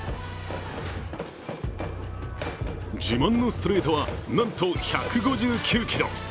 自慢のストレートは、なんと１５９キロ。